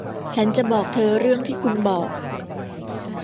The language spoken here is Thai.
ฉันจะบอกเธอเรื่องที่คุณบอก